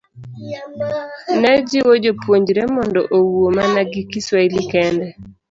ne jiwo jopuonjre mondo owuo mana gi Kiswahili kende.